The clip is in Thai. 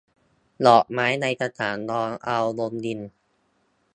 ดอกไม้ในกระถางรอเอาลงดิน